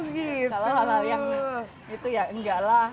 kalau hal hal yang itu ya enggak lah